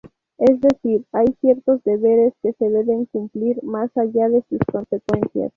Es decir, hay ciertos deberes que se deben cumplir más allá de sus consecuencias.